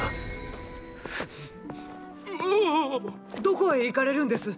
どこへ行かれるんです